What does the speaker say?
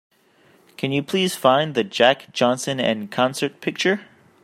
Can you please find the Jack Johnson En Concert picture?